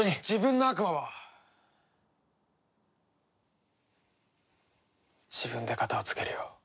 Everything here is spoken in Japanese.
自分の悪魔は自分で片をつけるよ。